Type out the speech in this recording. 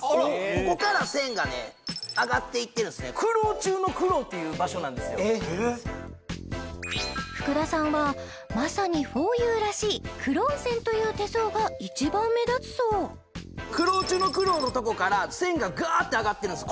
ここから線がね上がっていってるんですね福田さんはまさにふぉゆらしい苦労線という手相が一番目立つそう苦労中の苦労のとこから線がガーッて上がってるんです